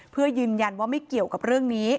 เพื่อยืนยันว่าไม่เกี่ยวกับเรื่องนี้